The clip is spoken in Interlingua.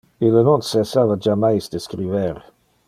Ille non cessava jammais de scriber.